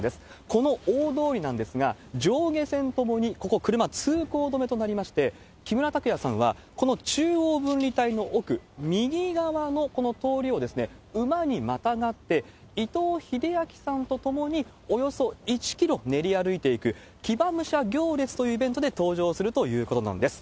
この大通りなんですが、上下線ともに、ここ、車、通行止めとなりまして、木村拓哉さんはこの中央分離帯の奥、右側のこの通りを馬にまたがって、伊藤英明さんと共に、およそ１キロ練り歩いていく騎馬武者行列というイベントで登場するということなんです。